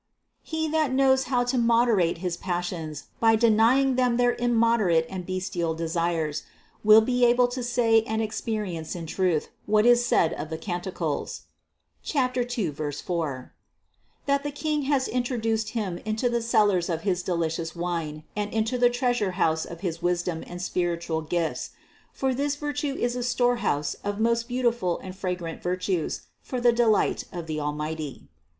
He that knows how to moderate his passions by denying them their im moderate and bestial desires, will be able to say and ex perience in truth, what is said of the Canticles (2, 4) : that the King has introduced him into the cellars of his delicious wine, and into the treasurehouse of his wisdom and spiritual gifts; for this virtue is a storehouse of most beautiful and fragrant virtues for the delight of the Al mighty.